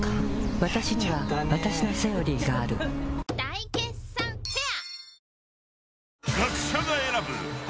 わたしにはわたしの「セオリー」がある大決算フェア